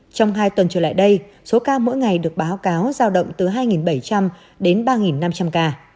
trong hai tuần trở lại đây số ca mỗi ngày được báo cáo giao động từ hai bảy trăm linh đến ba năm trăm linh ca